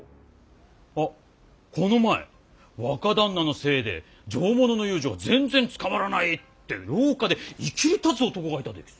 あっこの前若旦那のせいで「上物の遊女が全然つかまらない！」って廊下でいきり立つ男がいたでげす。